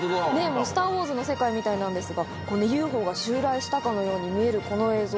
もうスター・ウォーズの世界みたいなんですが、ＵＦＯが襲来したかのように見えるこの映像。